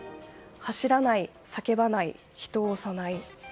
走らない、叫ばない人を押さない。